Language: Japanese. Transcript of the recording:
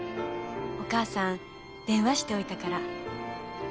お母さん電話しておいたから。